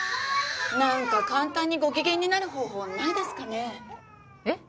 何か簡単にご機嫌になる方法はないですかねえ？